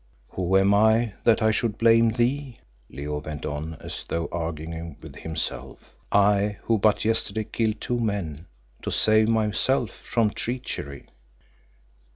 "Who am I that I should blame thee?" Leo went on as though arguing with himself, "I who but yesterday killed two men to save myself from treachery."